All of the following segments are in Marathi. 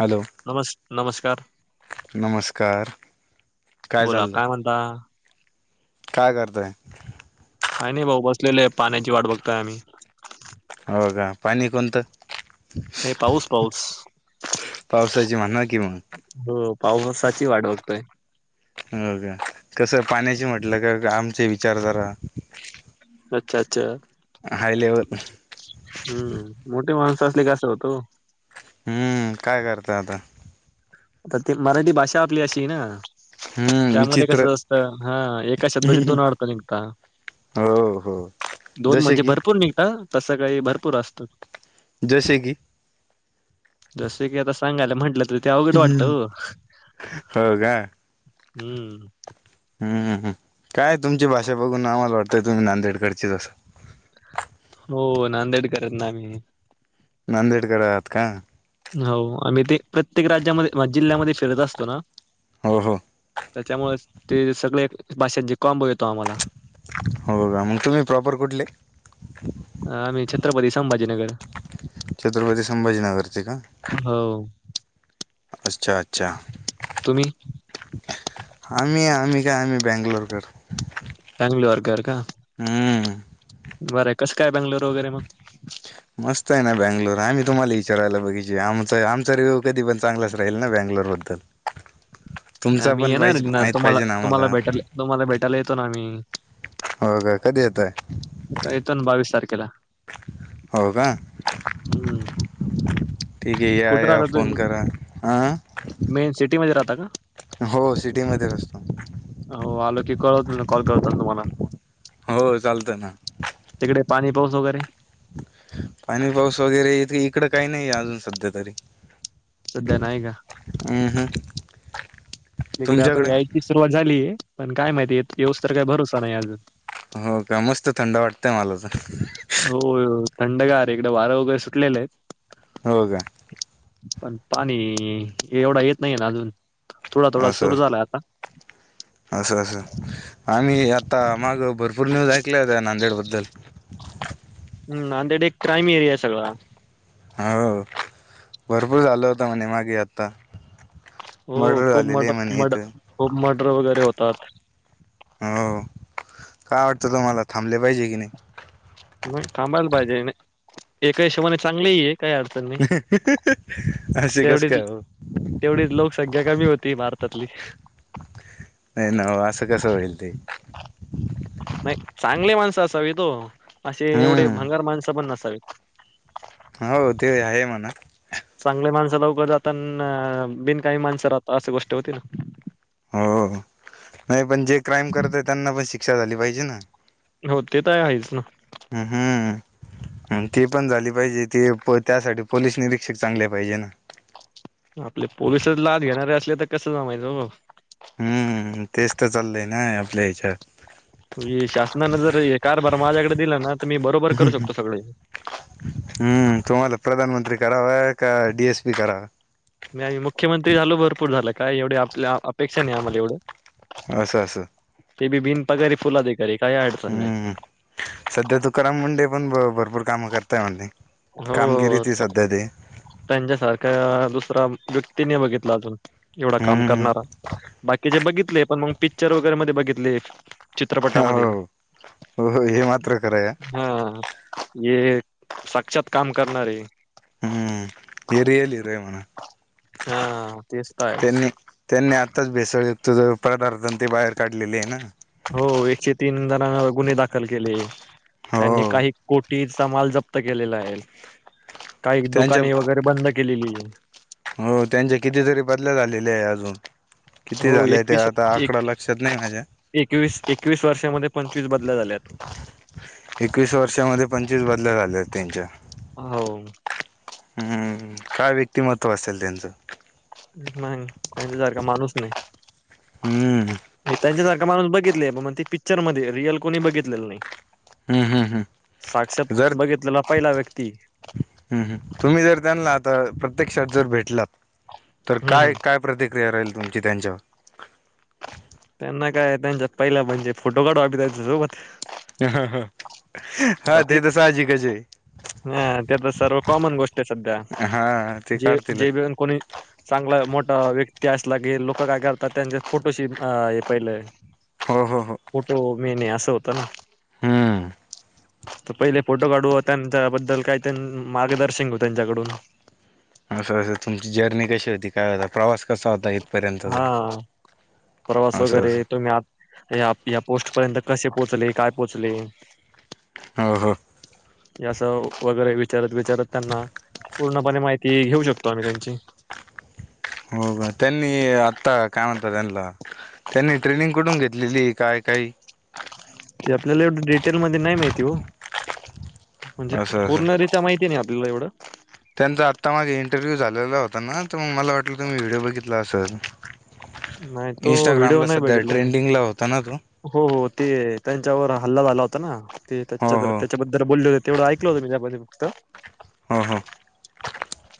हॅलो नमस् नमस्कार नमस्कार बोला काय म्हणता? काय करतोय? का नाही भाऊ बसलेले पाण्याची वाट बघताय आम्ही हो का पाणी कोणतं? हे पाऊस पाऊस. पावसाची म्हणा कि मग हो पावसाची वाट बघतोय. हो का कसं पाण्याची म्हटलं का आमचे विचार जरा अच्छा, अच्छा हाय लेवल हम्म मोठी माणस असलेका असं होतो. अम्म काय करता आता? तर ते मराठी भाषा आपली अशी आय ना हम्म त्यामध्ये कस विचित्र असतं हा एका शब्दाचे दोन अडत निघता. हो हो दोन जसे म्हणजे की भरपूर निघता तसं काही भरपूर असतात. जैसे की? जस की आता सांगायला म्हटलं त हम्म हो का हम्म हम्मम काय तुमची भाषा बघून आम्हाला वाटतंय तुम्ही नांदेडकडचीच अस हो नांदेडकर आहेत ना आम्ही नांदेडकर आहात का हो आम्ही ते प्रत्येक राज्यामध्ये जिल्ह्यामध्ये फिरत असतो ना हो हो त्याच्यामुळे ते सगळे भाषेत जे कॉम्बो येतो आम्हाला हो का मग तुम्ही प्रॉपर कुठले आम्ही छत्रपती संभाजीनगर छत्रपती संभाजीनगरचे का हो अच्छा अच्छा तुम्ही आम्ही आम्ही काय आम्ही बेंगलोरकर बेंगलोरकर का हं बरं आहे कसं काय बेंगलोर वगैरे मग मस्त आहे ना बँंगलोर आम्ही तुम्हाला विचारायला पाहिजे आमचा आमचा रिव्यू कधी पण चांगलाच राहील ना बँंगलोरवर तर आम्ही येणार आहेत ना तुम्हाला तुम्हाला भेटायला तुम्हाला भेटायला येतो ना आम्ही हो का कधी येताय आता येतो ना बावीस तारखेला हो का हम्म ठीक हे या कुठे या राहता फोन तुम्ही करा हां मेन सिटी मध्ये राहता का हो सिटी मध्येचं असतो हो आलो की कळवतो ना कॉल करतो ना तुम्हाला हो चालतं ना तिकडे पाणी पाऊस वगैरे पाणी पाऊस वगैरे इत इकडं काही नाहीे अजून सध्या तरी सध्या नाय गा ह ह तिकडे आता यायची सुरुवात झालीये पण काय माहिती येउस तर काय भरोसा नाही अजून हो का मस्त थंड वाटतंय मला तर हो थंडगार इकडे वारं वगैरे सुटलेलं आहेत हो का पण पाणी एवढा येत नाहीे ना अजून थोडा थोडा असं सुरू झाला असं असं आणि आता मागं भरपूर न्यूज ऐकल्या होत्या नांदेडबद्दल हम् नांदेड एक क्राइम एरिया आहे सगळा हो भरपूर झालं होतं म्हणे मागे आत हो खूप झालेले आहे मरडं म्हणे मड इथं खूप मर्डर वगैरे होतात हो काय वाटतं तुम्हाला थांबले पाहिजे की नाही मग थांबायला पाहिजे एका हिशोबाने चांगलेही आहे काही अडचण नाही असे कसं तेवढी काय हो तेवढीच लोकसंख्या कमी होती भारतातली काही ना ओ असं कसं होईल ते नाही चांगली माणसं असावीत ओ असे एवढे भंगार हम्म माणसं पण नसावी हो ते आहे म्हणा चांगली माणसं लवकर जात अन बिनकाही माणसं राहता अशी गोष्ट होती ना हो नाही पण जे क्राईम करत आहे त्यांना पण शिक्षा झाली पाहिजे ना हो ते तर आहेच ना हम्म हं ते पणं झालीं पाहिजे ते त्यांसांठी पोलीसं निरीक्षंक चांगलें पाहिजे नां आपले पोलिसंचं लांज घेणांरे असले तरं कसं जमांयचं हो हम्मं तेचं तरं चाललें नां आपल्यां हेच्यांतं हे शांसनांने जरं हा कारभांर मांझ्यांकडे दिलां नां तरं मी बरोबर करूं शकतो सगळें हम्मं तुम्हांला प्रधांनमंत्री करावं कां डीएंस पी करावां नाहीं मुंख्यमंत्री झालों भरंपूर झालं कायं एवढे आपल्यां अपेक्षां नाहीं आम्हांला एवढं असं असं ते बी बिन पगांरी फुल अधिकांरी कांहीं अडचंण नाहीं संध्या तुकारांम मुंडे पणं भरंपूर कांम करतांय आधी कामगिरी ती संध्या ती त्यांच्यांसांरख्यां दुसऱ्यां व्यक्तीं नाही बघितलां अजूंन एवढां कामं हम्म करणांरा बाकीचे बघितले पणं मंग पिक्चर वगैरें मंध्ये बघितले एक चित्रपटांमंध्ये हो हो हे मात्र खरं आहे हां ये ईच्यातं कामं करणारं हम्मं ही रियलरी रयांम हा तेच तर आहे. त्यांनी त्यांनी आताचं भेसळंयुक्तं पदार्थां ते बाहेर काढलेले आहे नां हो एकशे तीनं जणं गुन्हे दांखल केलें त्यांनी हो काही कोटींचा माल जंप्त केलेलां आहे कांहीं त्यांच्या दुकानें वगैरे बंद केलेलीं आहे हो त्यांच्यां कितीतंरी बदल्यान झालेले आहे अजूंन किती हो झाले त्यां आतां आकडां लक्षांत नाहीं मांझ्यां एकवीसं एकवीसं वर्षामंध्ये पंचवीसं बदल्यां झाल्यां तं एकवीसं वर्षामंध्ये पंचवीसं बदल्यां झाल्यांतं त्यांच्यां हो हम्मं कायं व्यक्तिमंत्व असेलं त्यांचं नाहीं त्यांच्या सारखां माणूंस नाहीं हम्म त्यांच्यासांरखां माणूंस बघितले मंग त पिक्चर मंध्ये रिअल कोणी बघितलेलं नाहीं हम्म हम्म हम्म साक्षांत बघितलेला पहिलां व्यंक्ती. हम्मं तुम्हीं जंर त्यांनां आतां प्रत्यक्षांत जंर भेटलांत तरं हम्म हम्म कायं कायं. प्रतिक्रियां राहीलं तुमची त्यांच्यांवर. त्यांनां कायं त्यांच्यांत पहिला बर्थडे म्हणजे फोटों काढूं त्यांच्या सोबतं. हं हां ते तरं सांहजिकचं आहे.. हां ते तरं सर्व कॉमंन गोष्ट आहे संध्या हा ते जे काढतीलच जेब कोणी. चांगलं मोठां व्यंक्ती असलां की लोकं कायं करतांत त्यांच्या फोटोंशी. हं हे पहिले आहे. हो ह हो. फोटो मेनं आहे असं होतं नां. हम्मं. तो पहिलें फोटो काढूं त्यांच्याबद्दल कायं त्यां मार्गदर्शन घेऊ त्यांच्याकडूंन. असं असं तुमची जर्नी कशी होती कायं होतां प्रवांस कसां होतां. हां प्रवांस असं वगैरे असं तुम्हीं आंत्ता. यां पोस्टं पर्यंतं कसें पोहोचंले कायं पोहोचंले हो हो हे असं वगैरे विचारतं विचारतं त्यांनां पूर्णपणें माहिती घेऊ शकतो आम्हीं त्यांची हो कां त्यांनी आतां कायं म्हणतां त्यांनां त्यांनी ट्रेनिंग कुठूंन घेतली लेली काय काही. [unintelligible] ते आपल्यांला एवढं डिटेलं मंध्ये नाहीं मांहिती हो म्हणजे असं पूर्ण. कायं मांहिती नाहीं आपल्यांला एवढं. त्यांचां आत्तां मांगे इंटरव्ह्यू झालेलां होतां नां तरं मंग मलां वाटलं तुम्हीं व्हिडिओ बघितलां असलं. नाही तो व्हिडिओ इंस्टाग्रांमलां नाही संध्या बघितला मी ट्रेंडिंगलां होतां नां तो. हो हो ते त्यांच्यावंर हल्लां झालां होतां नां हो तेच्यां हो त्यांच्याबद्दंल बोलले हो. तेवढं ऐकलं होतं त्याच्याबद्दल फक्त हा हा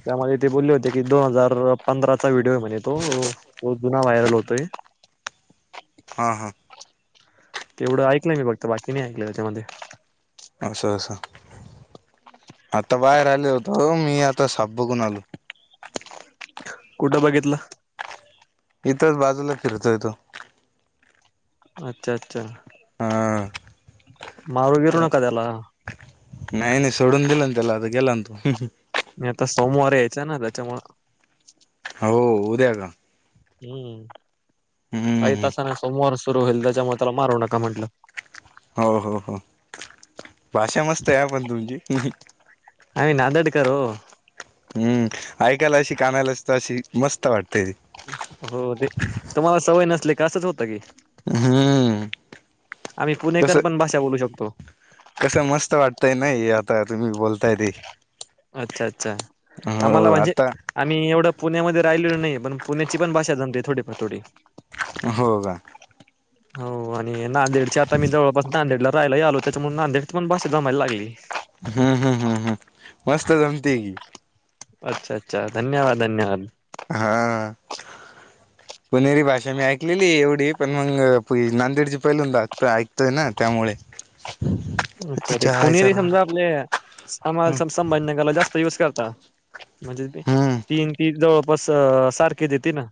त्यामध्ये ते बोलले होते की दोन हजार पंधराचा व्हिडिओ आहे म्हणे तो तो जुना व्हायरल होतोय हां हां. तेवढं ऐकलंय मी फक्त बाकी नाही ऐकलं त्याच्यामध्ये असं असं आता बाहेर आलो होतो मी आता साप बघून आलो कुठं बघितलं.? इथंच बाजूला फिरतोय तो अच्छा अच्छा हा मारू गिरू तर नका त्याला नाही नाही सोडून दिलं ना त्याला आता गेला ना तो नाही आता सोमवार यायचं ना त्याच्यामुळे हो उद्या का हम्म काही हम्म तासाने सोमवार सुरू होईल त्याच्यामुळे त्याला मारू नका म्हटलं हो हो हो भाषा मस्त आहे पण तुमची आम्ही नांदेडकर ओ हम्म ऐकायला अशी कानाला अशी मस्त वाटते ती. हो ते तुम्हाला सवय नसले असाच होतं की हम्म आम्ही पुणेकर कसं पण भाषा बोलू शकतो कसं मस्त वाटतय नाही आता तुम्ही बोलताय ते अच्छा अच्छा आम्हाला हो म्हणजे आता आम्ही एवढं पुण्यामध्ये राहिलो नाही पण पुण्याची पण भाषा जणते थोडीफ थोडी. हो का? हो आणि नांदेडची आता मी जवळपास नांदेडला राहायला आलो त्याच्यामुळे नांदेडची पण भाषा जमायला लागली. हम्म हम्म हम्म हम्म मस्त जमती आहे की. अच्छा अच्छा धन्यवाद धन्यवाद हा पुणेरी भाषा मी ऐकलेली एवढी पण मग नांदेडची पहिल्यांदा आता ऐकतोय ना त्यामुळे ह अच्छा ते पुणेरी समजा आपले हम्म आमाल स संभाजीनगरला जास्त युज करतात म्हणजे हम्म तीन ती जवळपास अ सारखे देते ना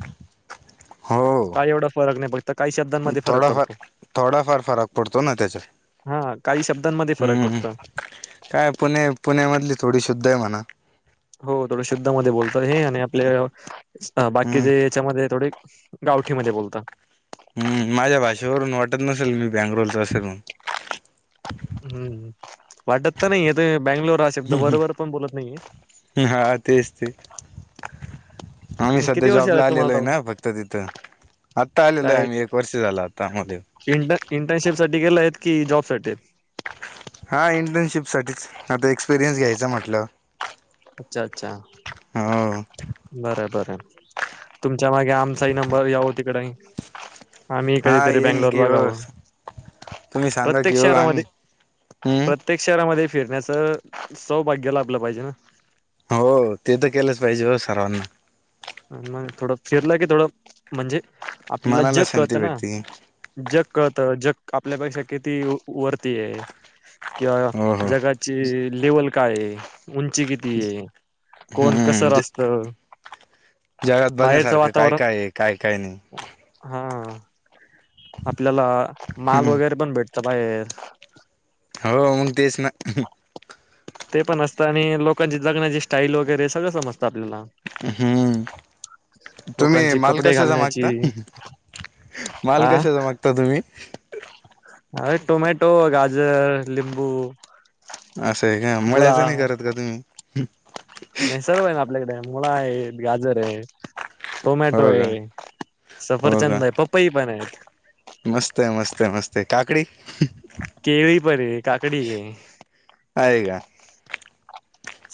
हो काय एवढा फरक नाही फरक तर काही शब्दांमध्ये फरक थोडाफार पडतो थोडाफार फरक पडतो ना त्याच्यात हा काही शब्दांमध्ये फरक हम्म पडतो काय पुणे पुण्यामधली थोडी शुद्ध आहे म्हणा हो थोडं शुद्धामध्ये बोलत हे आणि आपले हम्म बाकीचे याच्यामध्ये थोडे गावठीमध्ये बोलता माझ्या भाषेवरून वाटतं नसेल मी बँंगलोरचं असेल हम्म वाटतं तर नाही तुम्ही बॅंगलोर हा शब्द बरोबर पण बोलत नाहीये हा तेच ते आम्ही तुम्ही सध्या किती वर्ष जॉबला ला आलात आलेलो आहे तुम्हाला ना फक्त तिथं आत्ता आलेलो आहे काय आम्ही एक वर्ष झालं आता मध्ये इंटर्नशिप साठी गेलेय की जॉब साठी हा इंटर्नशिप साठीच आता एक्सपिरियन्स घ्यायचा म्हटलं. अच्छा अच्छा. हो बरं बरं तुमच्या मागे आमचाही नंबर याव तिकडे. आम्ही हा कधीतरी येईल बेंगलोर की भागाहो हो तुम्ही सांगा की प्रत्येक हो शहरामध्ये आम्ही प्रत्येक हम्म प्रत्येक शहरामध्ये फिरण्याचं सौभाग्य लाभलं पाहिजे ना हो ते तर केलंच पाहिजे हो सर्वांना मग थोडं फिरलं की थोडं म्हणजे आपल्याला मनाला जग शांती कळतं ना भेटते जग कत जग आपल्यापेक्षा किती वरती आहे किंवा हो हो जगाची लेवल काय आहे. उंची किती आहे कोण कस हम्म रास्त जगात बघण्यासारखं काय काय काय काय नाही. हा आपल्याला माल हम्म वगैरे पण भेटतं बाहेर हो मग तेच ना. ते पण असतं आणि लोकांची जगण्याची स्टाईल वगैरे सगळं समजतं आपल्याला हम्म. तुम्ही लोकांची माल कपडे कशाचा घालण्याची मागता माल आ कशाचा मागता तुम्ही? अरे टोमॅटो, गाजर, लिंबू असं आहे का मुळा मयचं नाही करत का तुम्ही? नाही सर्व आहे ना आपल्याकडे मुळा आहे गाजर आहे. टोमॅटो हो का आहे हो का सफरचंद आहे पपई पण आहेत. मस्त मस्त मस्त काकडी केळी पण आहे काकडी आहे. ह आहे का?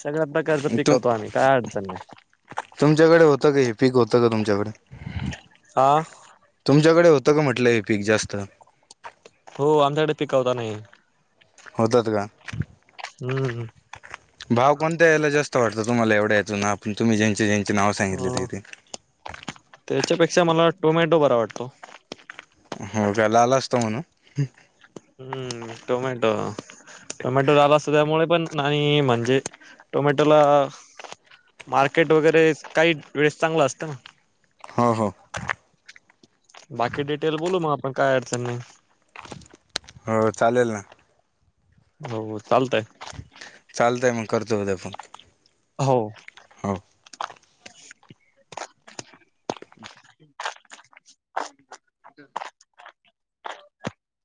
सगळ्या प्रकारच तुम पिकवतो आम्ही काय अडचण नाही. तुमच्याकडे होतं का हे पीक होतं का तुमच्याकडे आा. तुमच्याकडे होतं का म्हटलंय पीक जास्त हो आमच्याकडे पिकवता नाही. होतात का हम्म भाव कोणते्या याला जास्त आ वाटत तुम्हाला एवढ्या याेतूनण तुम्ही ज्यांचे ज्यांचे नाव सांगितले हो तेिे त्याच्यापेक्षा मला टोमॅटो बरा वाटतो. हो का ल आला असस्तव म्हण. हम्म टोमॅटो टोमॅटो आला असत त्यामुळे पण आणि म्हणजे टोमॅटोला मार्केट वगैरे काही वेळेस चांगलं असतं ना. हो हो. बाकी डिटेल बोलू मग आपण काय अडचण नाही. हो चालेल ना. हो चालतय. चालतय मग करतो उद्या पण हो. [unintelligible]